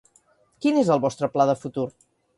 Quin és el vostre pla de futur?